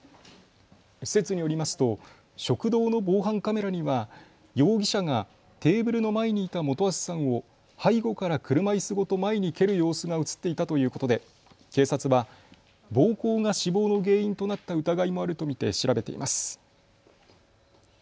施設によりますと食堂の防犯カメラには容疑者がテーブルの前にいた元橋さんを背後から車いすごと前に蹴る様子が写っていたということで警察は暴行が死亡の原因となった疑いもあると見て調べています。